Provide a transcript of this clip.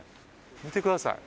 見てください